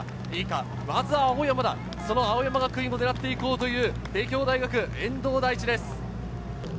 いいか、まずは青山だ、その青山学院を狙って行こうという帝京大学・遠藤大地です。